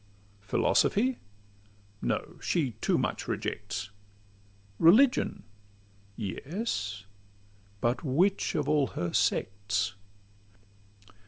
Philosophy? No: she too much rejects. Religion? Yes; but which of all her sects?